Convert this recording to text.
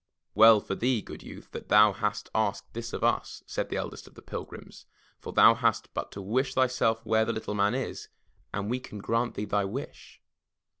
"Well for thee, good youth, that thou hast asked this of us,*' said the eldest of the pilgrims, "for thou hast but to wish thyself where the Little Man is, and we can grant thee thy wish."